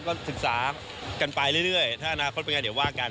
ก็ศึกษากันไปเรื่อยถ้าอนาคตเป็นไงเดี๋ยวว่ากัน